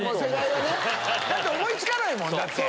だって思い付かないもん。